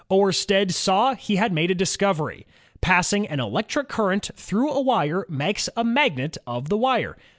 Oersted saw he had made a discovery. Passing an electric current through a wire makes a magnet of the wire.